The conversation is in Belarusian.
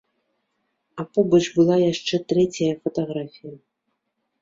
А побач была яшчэ трэцяя фатаграфія.